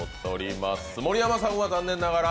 盛山さんは残念ながら。